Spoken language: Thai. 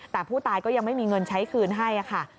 แต่ผู้ตายก็ยังไม่มีเงินใช้คืนให้ค่ะ